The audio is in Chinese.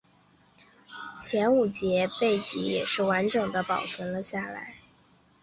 前五节背椎也是几乎完整地保存下来。